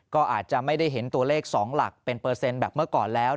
ก็อาจจะไม่ได้เห็นตัวเลข๒หลักเป็นเปอร์เซ็นต์แบบเมื่อก่อนแล้ว